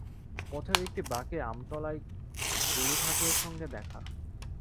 পথের একটি বাঁকে আমতলায় গুরুঠাকুরের সঙ্গে দেখা।